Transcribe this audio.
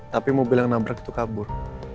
tapi mobil yang nabrak itu kabur